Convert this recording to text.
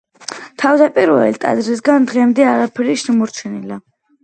თავდაპირველი ტაძრისგან დღემდე არაფერი შემორჩენილა.